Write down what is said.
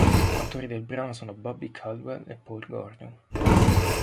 Autori del brano sono Bobby Caldwell e Paul Gordon.